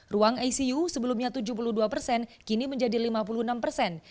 ruang icu sebelumnya tujuh puluh dua persen kini menjadi lima puluh enam persen